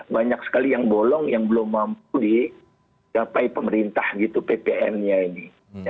banyak sekali yang bolong yang belum mampu dicapai pemerintah gitu ppn nya ini